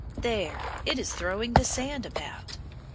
There! it is throwing the sand about.